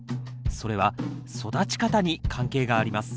それは育ち方に関係があります。